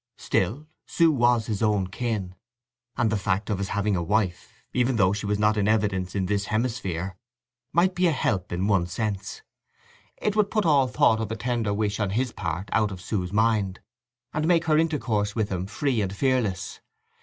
Still Sue was his own kin, and the fact of his having a wife, even though she was not in evidence in this hemisphere, might be a help in one sense. It would put all thought of a tender wish on his part out of Sue's mind, and make her intercourse with him free and fearless.